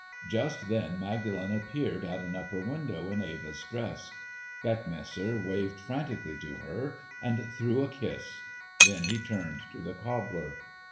Just then Magdalen appeared at an upper window in Eva's dress. Beckmesser waved frantically to her and threw a kiss. Then he turned to the cobbler.